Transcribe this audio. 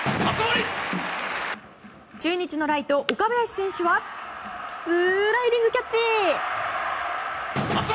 中日のライト岡林選手はスライディングキャッチ！